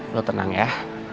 lo tenang ya